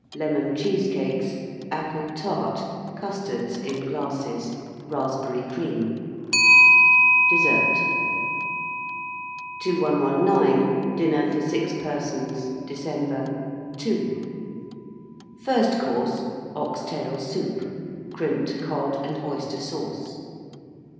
Lemon Cheesecakes. Apple Tart. Custards, in glasses. Raspberry Cream. DESSERT. 2119. DINNER FOR, 6 PERSONS (December). II. FIRST COURSE. Ox tail Soup. Crimped Cod and Oyster Sauce.